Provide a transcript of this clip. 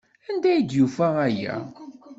Anda ay d-yufa aya?